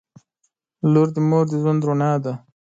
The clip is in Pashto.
• لور د مور د ژوند رڼا ده.